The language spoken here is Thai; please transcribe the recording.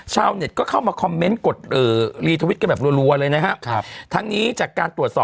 ชาวเน็ตก็เข้ามาคอมเมนต์กดรีทวิตกันแบบรัวเลยนะครับทั้งนี้จากการตรวจสอบ